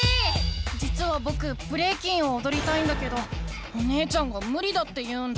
じつはぼくブレイキンをおどりたいんだけどお姉ちゃんがむりだって言うんだ。